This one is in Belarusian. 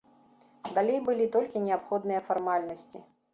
Далей былі толькі неабходныя фармальнасці.